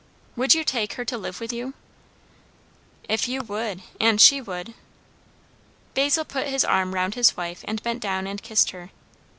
"Would you take her to live with you?" "If you would? and she would." Basil put his arm round his wife and bent down and kissed her.